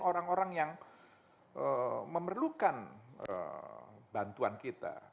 orang orang yang memerlukan bantuan kita